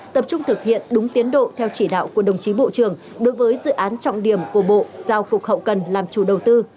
tập trung thực hiện đúng tiến độ theo chỉ đạo của đồng chí bộ trưởng đối với dự án trọng điểm của bộ giao cục hậu cần làm chủ đầu tư